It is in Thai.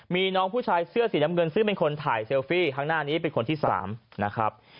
มีน้องผู้ชายเสื้อสีน้ำเงินซึ่งเป็นคนถ่ายเซลฟี่ข้างหน้านี้เป็นคนที่๓นะครับ